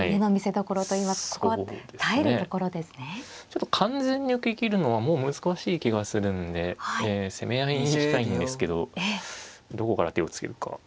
ちょっと完全に受けきるのはもう難しい気がするんで攻め合いにしたいんですけどどこから手をつけるか。